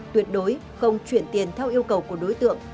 tuyệt đối không chuyển tiền theo yêu cầu của đối tượng